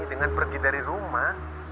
dengan pergi dari rumah